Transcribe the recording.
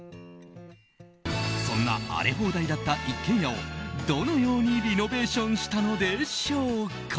そんな荒れ放題だった一軒家をどのようにリノベーションしたのでしょうか。